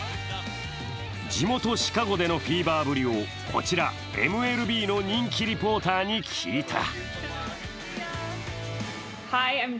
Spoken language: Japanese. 地元シカゴでのフィーバーぶりをこちらＭＬＢの人気リポーターに聞いた。